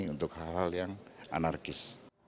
untuk hal hal yang anarkis